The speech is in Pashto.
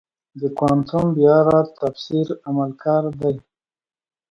د کوانټم بیارد تفسیر عملگر دی.